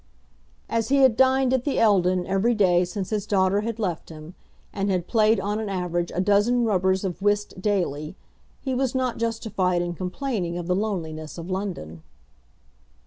As he had dined at the Eldon every day since his daughter had left him, and had played on an average a dozen rubbers of whist daily, he was not justified in complaining of the loneliness of London.